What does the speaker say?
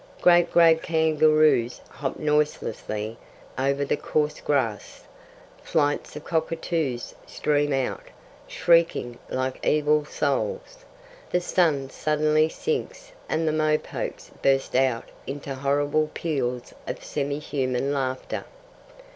Great grey kangaroos hop noiselessly over the coarse grass. Flights of cockatoos stream out, shrieking like evil souls. The sun suddenly sinks and the mopokes burst out into horrible peals of semi human laughter.'